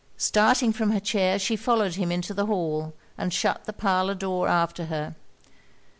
Starting from her chair, she followed him into the hall, and shut the parlour door after her.